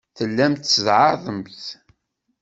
Tellamt tzeɛɛḍemt.